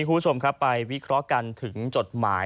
ผู้ชมไปวิเคราะห์การถึงจดหมาย